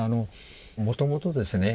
もともとですね